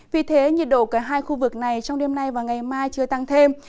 vì thế nhiệt độ cả hai khu vực này trong đêm nay và ngày mai chưa tăng thêm